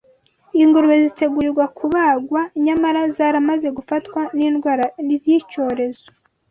Ingurube zitegurirwa kubagwa nyamara zaramaze gufatwa n’indwara y’icyorezo